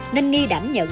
nên nghi đảm nhận